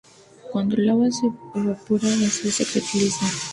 Cuando el agua se evapora, la sal se cristaliza.